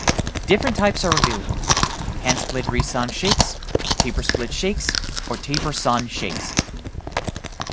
Different types are available: hand-split resawn shakes, tapersplit shakes or tapersawn shakes.